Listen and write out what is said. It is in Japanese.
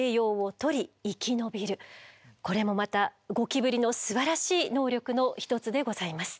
これもまたゴキブリのすばらしい能力の一つでございます。